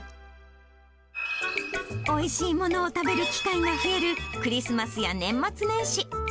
おいしいものを食べる機会が増えるクリスマスや年末年始。